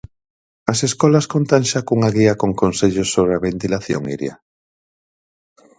As escolas contan xa cunha guía con consellos sobre a ventilación, Iria?